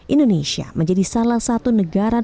indonesia menjadi satu negara yang berpengalaman